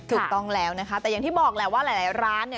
ถูกต้องแล้วนะคะแต่อย่างที่บอกแหละว่าหลายร้านเนี่ย